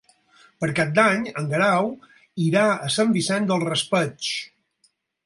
Per Cap d'Any en Guerau irà a Sant Vicent del Raspeig.